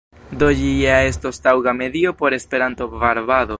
Do ĝi ja estas taŭga medio por Esperanto-varbado.